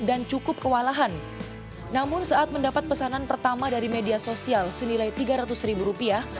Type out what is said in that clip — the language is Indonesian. dan cukup kewalahan namun saat mendapat pesanan pertama dari media sosial senilai tiga ratus rupiah